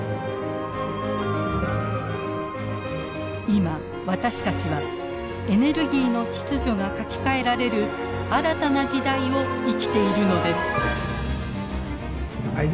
今私たちはエネルギーの秩序が書き換えられる新たな時代を生きているのです。